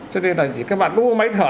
cho nên là các bạn có máy thở